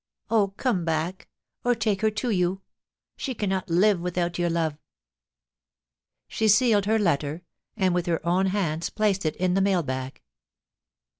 Oh, come back, or take her to you ! She cannot live without your love.' She sealed her letter, and with her own hands placed it in the mail bag.